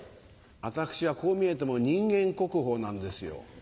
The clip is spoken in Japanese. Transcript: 私はこう見えても人間国宝なんですよ。